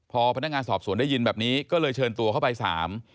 พอพนักงานสอบสวนได้ยินแบบนี้ก็เลยเชิญตัวเข้าไปสาม